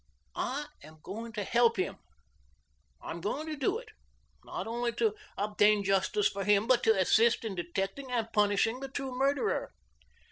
I am going to help him. I'm going to do it, not only to obtain justice for him, but to assist in detecting and punishing the true murderer."